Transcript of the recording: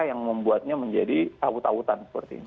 yang membuatnya menjadi tautan seperti ini